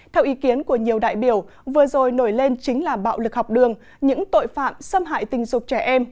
theo ý kiến của nhiều đại biểu vừa rồi nổi lên chính là bạo lực học đường những tội phạm xâm hại tình dục trẻ em